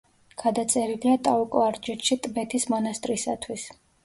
გადაწერილია ტაო-კლარჯეთში ტბეთის მონასტრისათვის.